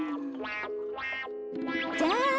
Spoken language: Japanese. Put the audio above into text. じゃん！